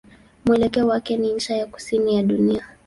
Mwelekeo wake ni ncha ya kusini ya dunia.